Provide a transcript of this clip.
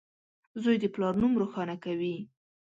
• زوی د پلار نوم روښانه کوي.